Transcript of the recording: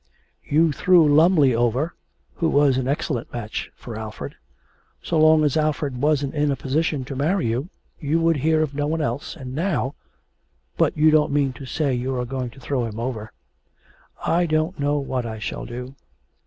'You threw Lumly over, who was an excellent match, for Alfred. So long as Alfred wasn't in a position to marry you, you would hear of no one else, and now but you don't mean to say you are going to throw him over.' 'I don't know what I shall do.'